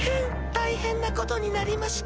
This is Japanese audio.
大変なことになりました！